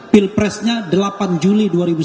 pilpresnya delapan juli dua ribu sembilan belas